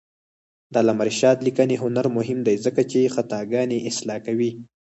د علامه رشاد لیکنی هنر مهم دی ځکه چې خطاګانې اصلاح کوي.